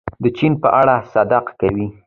د چین په اړه صدق کوي.